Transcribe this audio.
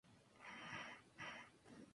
Son pocos sus comentarios sobre metodología.